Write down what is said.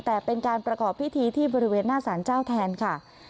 แต่เป็นการประกอบพิธีที่บริเวณหน้าสารเจ้าแทนค่ะ